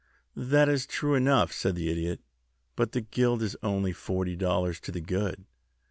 "That is true enough," said the Idiot; "but the guild is only forty dollars to the good.